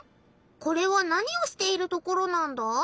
これは何をしているところなんだ？